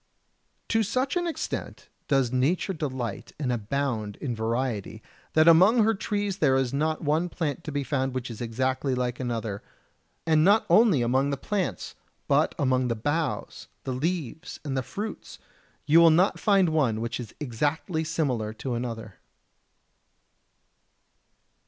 ] 59. To such an extent does nature delight and abound in variety that among her trees there is not one plant to be found which is exactly like another; and not only among the plants, but among the boughs, the leaves and the fruits, you will not find one which is exactly similar to another.